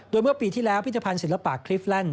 โดยเมื่อปีที่แล้วพิธภัณฑ์ศิลปะคริสแลนด